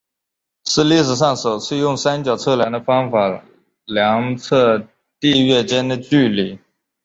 是历史上首次用三角测量的方法量测地月间的距离。